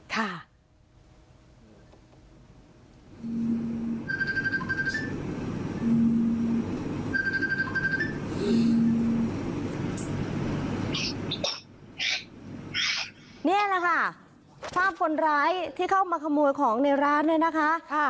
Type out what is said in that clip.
นี่แหละค่ะภาพคนร้ายที่เข้ามาขโมยของในร้านเนี่ยนะคะ